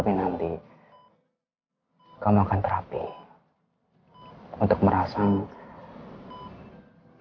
tapi nanti kamu akan terapi untuk merasamu